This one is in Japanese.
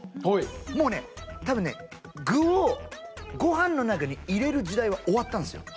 もうね多分ね具をご飯の中に入れる時代は終わったんすよ。